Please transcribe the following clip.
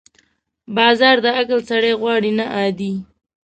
بازار د عقل سړی غواړي، نه عادي.